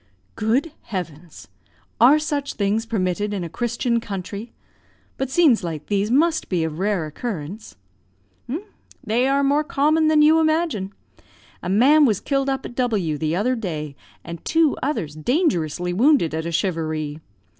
"Good heavens! are such things permitted in a Christian country? But scenes like these must be of rare occurrence?" "They are more common than you imagine. A man was killed up at W the other day, and two others dangerously wounded, at a charivari.